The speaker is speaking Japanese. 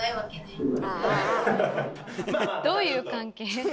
どういう関係？